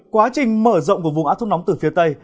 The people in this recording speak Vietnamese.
quá trình mở rộng của vùng áo thông nóng từ phía tây